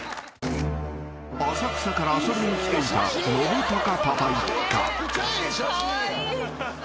［浅草から遊びに来ていたのぶたかパパ一家］